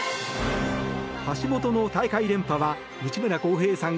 橋本の大会連覇は内村航平さん